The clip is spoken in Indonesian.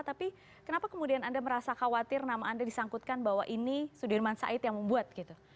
tapi kenapa kemudian anda merasa khawatir nama anda disangkutkan bahwa ini sudirman said yang membuat gitu